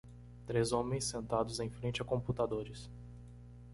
Três homens sentados em frente a computadores.